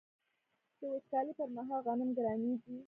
د وچکالۍ پر مهال غنم ګرانیږي.